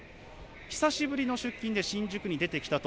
久しぶりの出勤で新宿に出てきたと。